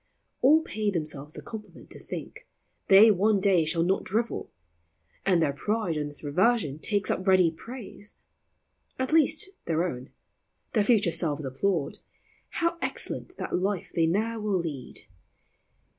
All pay themselves the compliment to think They one day shall not drivel : and their pride On this reversion takes up ready praise ; At least, their own ; their future selves applaud : How excellent that life they ne'er will lead